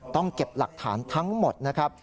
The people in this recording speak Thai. ต้องเก็บหลักฐานทั้งหมดนะครับ